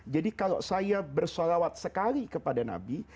jadi kalau saya bersalawat sekali kepada nabi